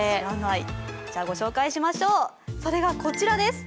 ご紹介しましょう、それがこちらです。